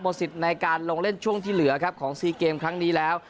สิทธิ์ในการลงเล่นช่วงที่เหลือครับของซีเกมครั้งนี้แล้ว